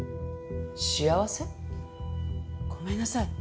幸せ？ごめんなさい。